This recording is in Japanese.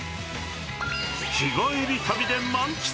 日帰り旅で漫喫！